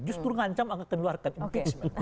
justru mengancam akan keluarkan impeachment